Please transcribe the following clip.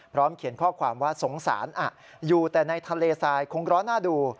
เขียนข้อความว่าสงสารอยู่แต่ในทะเลทรายคงร้อนน่าดู